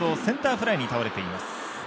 フライに倒れています。